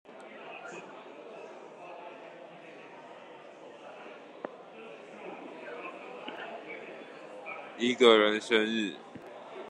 一個人生日